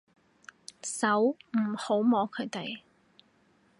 手，唔好摸佢哋